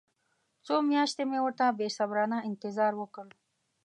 څو میاشتې مې ورته بې صبرانه انتظار وکړ.